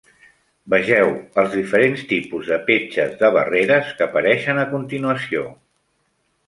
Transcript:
Vegeu els diferents tipus de petges de barreres que apareixen a continuació.